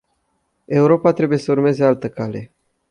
Europa trebuie să urmeze altă cale.